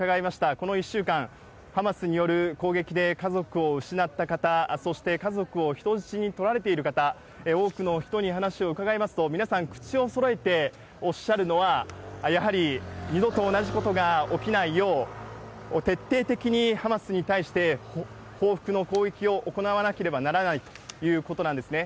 この１週間、ハマスによる攻撃で家族を失った方、そして家族を人質にとられている方、多くの人に話を伺いますと、皆さん、口をそろえておっしゃるのは、やはり二度と同じことが起きないよう、徹底的にハマスに対して報復の攻撃を行わなければならないということなんですね。